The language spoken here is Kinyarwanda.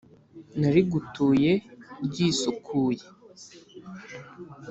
narigutuye ryisukuye